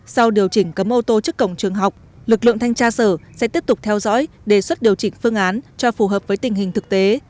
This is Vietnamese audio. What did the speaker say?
sau điều chỉnh cấm ô tô trước cổng trường học lực lượng thanh tra sở sẽ tiếp tục theo dõi đề xuất điều chỉnh phương án cho phù hợp với tình hình thực tế